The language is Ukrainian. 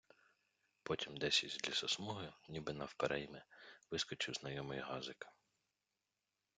Потім десь із лісосмуги, ніби навперейми, вискочив знайомий газик.